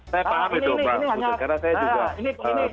saya paham itu pak putut